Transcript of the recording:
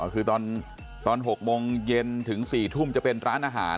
คือตอน๖โมงเย็นถึง๔ทุ่มจะเป็นร้านอาหาร